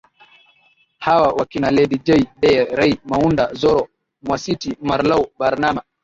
hawa wakina Lady Jay Dee Ray Maunda Zorro Mwasiti Marlaw Barnaba